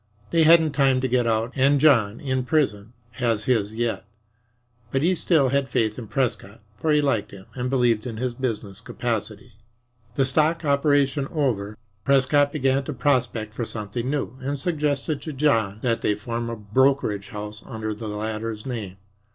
They hadn't time to get out, and John, in prison, has his yet. But he still had faith in Prescott, for he liked him and believed in his business capacity. The stock "operation" over, Prescott began to prospect for something new, and suggested to John that they form a brokerage house under the latter's name.